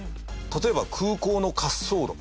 例えば、空港の滑走路。